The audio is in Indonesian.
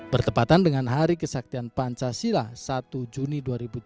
bertepatan dengan hari kesaktian pancasila satu juni dua ribu tujuh belas